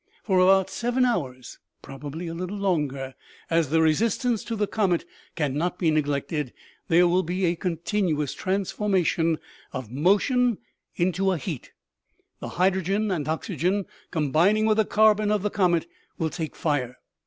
For about seven hours probably a little longer, as the resistance to the comet can not be neglected there will be a continuous transformation of motion into a heat. The hydrogen and the oxygen, com bining with the carbon of the comet, will take fire.